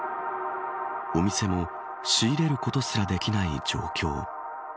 お店も、仕入れることすらできない状況。